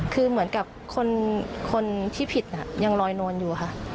คือเหมือนกับคนที่ผิดยังลอยนวลอยู่ค่ะ